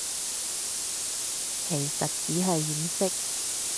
其實只係掩飾